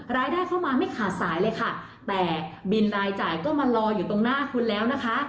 รายได้เข้ามาไม่ขาดสายเลยค่ะแต่บินรายจ่ายก็มารออยู่ตรงหน้าคุณแล้วนะคะ